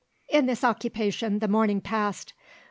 In this occupation the morning passed.